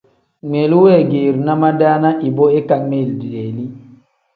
Ngmiilu weegeerina madaana ibo ikangmiili deeli.